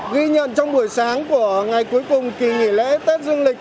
ghi nhận trong buổi sáng của ngày cuối cùng kỳ nghỉ lễ tết dương lịch